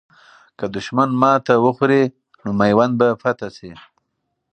که دښمن ماته وخوري، نو میوند به فتح سي.